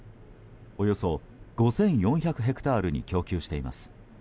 およそ５４００ヘクタールに供給しています。